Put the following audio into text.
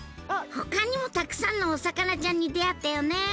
ほかにもたくさんのお魚ちゃんに出会ったよね。